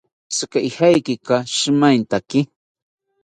¿Tzika ijekaki shimaentaki?